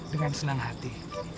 dengan senang hati